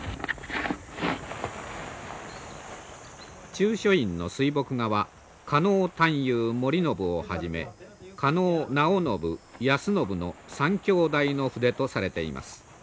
中書院の水墨画は狩野探幽守信をはじめ狩野尚信安信の３兄弟の筆とされています。